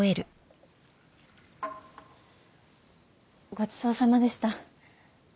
ごちそうさまでした。